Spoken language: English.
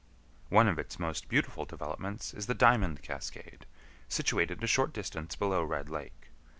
One of its most beautiful developments is the Diamond Cascade, situated a short distance below Red Lake.